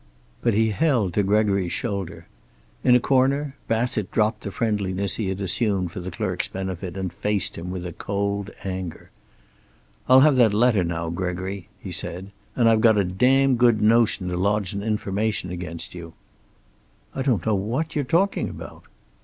But he held to Gregory's shoulder. In a corner Bassett dropped the friendliness he had assumed for the clerk's benefit, and faced him with cold anger. "I'll have that letter now, Gregory," he said. "And I've got a damned good notion to lodge an information against you." "I don't know what you're talking about."